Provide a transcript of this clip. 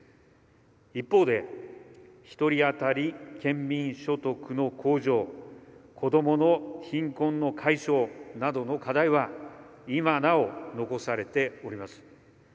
一方で一人当たり県民所得の向上子どもの貧困の解消などの課題は今なお残されております。